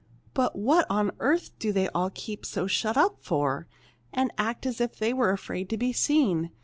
But what on earth do they all keep so shut up for, and act as if they were afraid to be seen!